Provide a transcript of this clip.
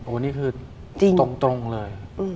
โอ้นี่คือตรงเลย